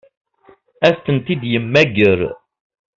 Ad tent-id-yemmager?